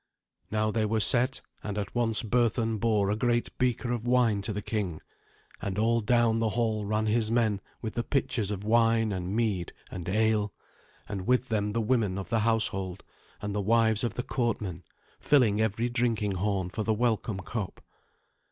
Now they were set, and at once Berthun bore a great beaker of wine to the king, and all down the hall ran his men with the pitchers of wine and mead and ale, and with them the women of the household and the wives of the courtmen, filling every drinking horn for the welcome cup.